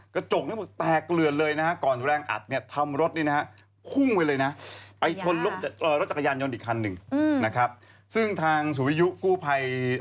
คือเจ้าของร้านรูปโปรงเกือบตายเลย